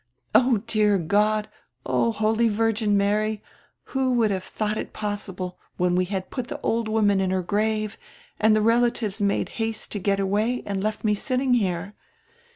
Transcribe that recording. O, dear God, O, holy Virgin Mary, who would have thought it possible, when we had put the old woman in her grave and the relatives made haste to get away and left me sitting here?"